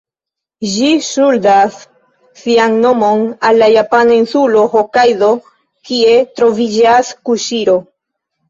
Ĝi ŝuldas sian nomon al la japana insulo Hokajdo, kie troviĝas Kuŝiro.